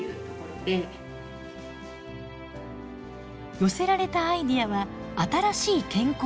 寄せられたアイデアは新しい健康器具。